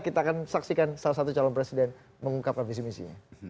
kita akan saksikan salah satu calon presiden mengungkapkan visi misinya